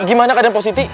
gimana keadaan positi